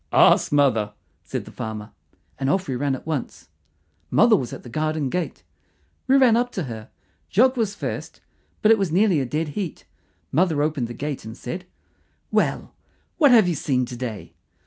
"Ask mother," said the farmer, and off we ran at once. Mother was at the garden gate. We ran up to her. Jock was first, but it was nearly a dead heat. Mother opened the gate and said, "Well, what have you seen to day?"